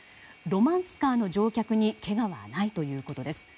ロマンスカーの乗客にけがはないということです。